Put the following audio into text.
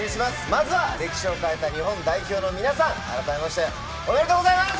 まずは歴史を変えた日本代表の皆さん、改めましておめでとうございます。